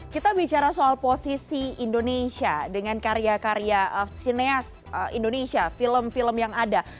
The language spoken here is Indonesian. kita bicara soal posisi indonesia dengan karya karya sineas indonesia film film yang ada